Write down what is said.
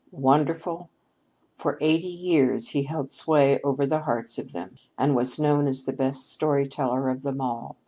"Wonderful? For eighty years he held sway over the hearts of them, and was known as the best story teller of them all.